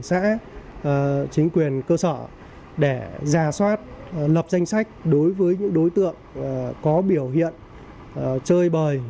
xã chính quyền cơ sở để giả soát lập danh sách đối với những đối tượng có biểu hiện chơi bời